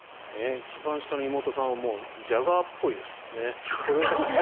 一番下の妹さんはジャガーっぽいですもんね。